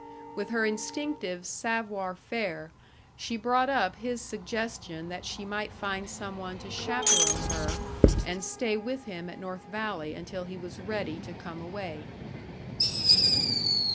With her instinctive savoir faire, she brought up his suggestion that she might find some one to chaperon her, and stay with him at North Valley until he was ready to come away.